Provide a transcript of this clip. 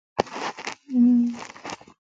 ابن بطوطه وايي چې ششنغار ته ورسېدلو.